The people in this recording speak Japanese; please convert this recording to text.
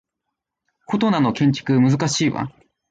フォトナの建築難しいわ